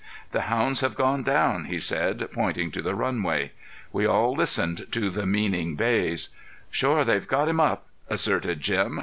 "The hounds have gone down," he said, pointing to the runway. We all listened to the meaning bays. "Shore they've got him up!" asserted Jim.